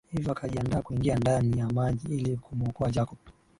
Hivyo akajiandaa kuingia ndani ya maji ili kumwokoa Jacob